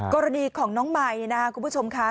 กรณีของน้องมายนะครับคุณผู้ชมค่ะ